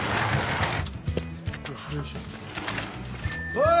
おい！